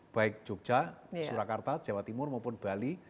baik jogja surakarta jawa timur maupun bali